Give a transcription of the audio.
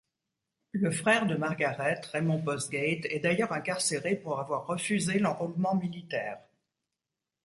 Le frère de Margaret, Raymond Postgate est d'ailleurs incarcéré pour avoir refusé l'enrôlement militaire.